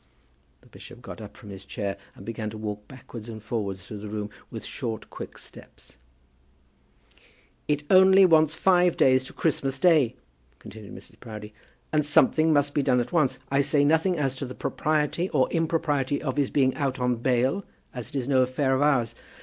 The bishop got up from his chair and began to walk backwards and forwards through the room with short quick steps. "It only wants five days to Christmas Day," continued Mrs. Proudie, "and something must be done at once. I say nothing as to the propriety or impropriety of his being out on bail, as it is no affair of ours.